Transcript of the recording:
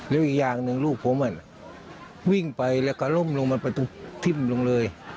แล้วอีกอย่างหนึ่งลูกผมวิ่งไปแล้วก็ล่มลงมาประตูทิ้มลงเลย